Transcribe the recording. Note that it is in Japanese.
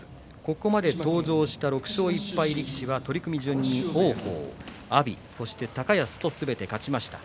ここまで登場した６勝１敗力士は取組順に王鵬、阿炎、高安とすべて勝ちました。